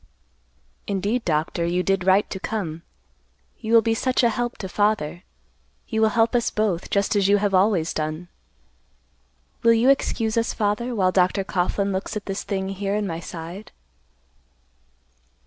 "Indeed, Doctor, you did right to come. You will be such a help to father. You will help us both, just as you have always done. Will you excuse us, father, while Dr. Coughlan looks at this thing here in my side?"